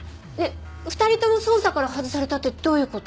２人とも捜査から外されたってどういう事？